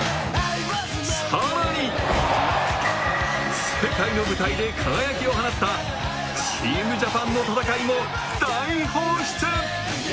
さらに世界の舞台で輝きを放ったチームジャパンの戦いを大放出！